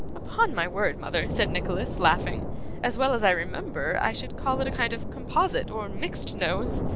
'Upon my word, mother,' said Nicholas, laughing, 'as well as I remember, I should call it a kind of Composite, or mixed nose.